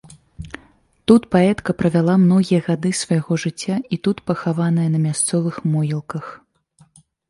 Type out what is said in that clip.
Тут паэтка правяла многія гады свайго жыцця, і тут пахаваная на мясцовых могілках.